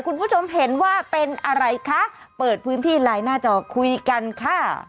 คุณผู้ชมเห็นว่าเป็นอะไรคะเปิดพื้นที่ไลน์หน้าจอคุยกันค่ะ